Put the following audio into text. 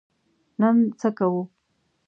نن څه کوو؟